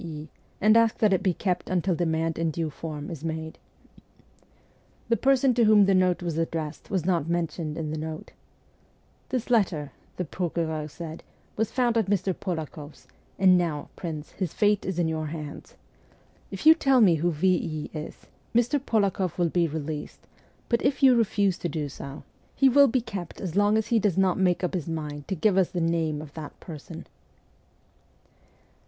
E., and ask that it be kept until demand in due form is made.' The person to whom the note was addressed was not mentioned in the note. ' This letter,' the procureur said, ' was found at Mr. Polakoff 's ; and now, prince, his fate is in your hands. If you tell me who V. E. is, Mr. Polakoff will be released ; but if you refuse to do so, he will be kept as long as he does not make up his mind to give us the name of that person.'